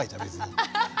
アハハハハ！